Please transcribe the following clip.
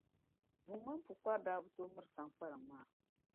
Buŋa mini Pukpara daa bi tooi miri Saŋkpaliŋ maa.